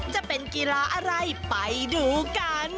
จะเป็นกีฬาอะไรไปดูกัน